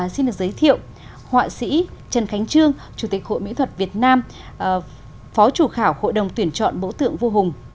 xin được giới thiệu họa sĩ trần khánh trương chủ tịch hội mỹ thuật việt nam phó chủ khảo hội đồng tuyển chọn bộ tượng vua hùng